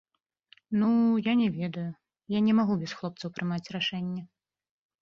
Ну, я не ведаю, я не магу без хлопцаў прымаць рашэнне.